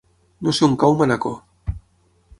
No sé on cau Manacor.